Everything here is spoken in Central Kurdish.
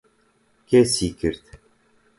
کێ چی کرد؟